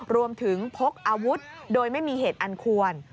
พกอาวุธโดยไม่มีเหตุอันควร